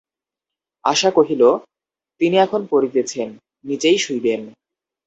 আশা কহিল, তিনি এখন পড়িতেছেন, নীচেই শুইবেন।